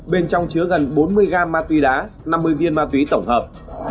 bên trong chứa gần bốn mươi gram ma túy đá năm mươi viên ma túy tổng hợp